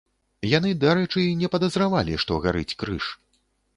Яны, дарэчы, і не падазравалі, што гарыць крыж.